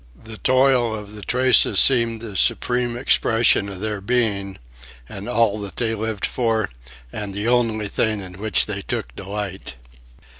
The toil of the traces seemed the supreme expression of their being, and all that they lived for and the only thing in which they took delight.